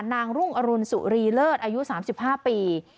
รุ่งอรุณสุรีเลิศอายุ๓๕ปี